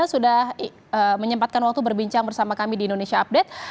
sudah menyempatkan waktu berbincang bersama kami di indonesia update